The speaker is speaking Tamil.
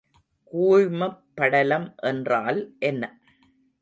கூழ்மப் படலம் என்றால் என்ன?